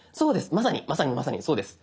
まさにまさにまさにそうです。